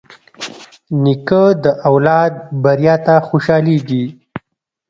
نیکه د اولاد بریا ته خوشحالېږي.